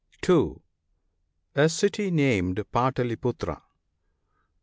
2 ) A city named Pataliputra.